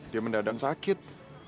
dia mendadang sakit